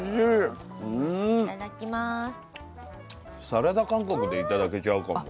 サラダ感覚で頂けちゃうかも。